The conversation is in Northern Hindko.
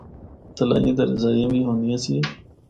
تلائیاں تے رضائیاں وی ہوندیاں سی۔